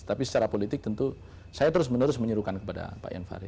tapi secara politik tentu saya terus menerus menyuruhkan kepada pak ian fahri